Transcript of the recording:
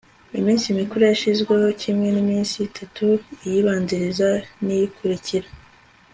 iminsi mikuru yashyizweho kimwe n'iminsi itau iyibanziriza n'iyikurikira